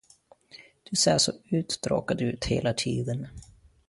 Du ser så uttråkad ut hela tiden.